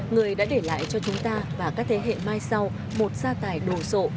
người đã để lại cho chúng ta và các thế hệ mai sau một gia tài đồ sộ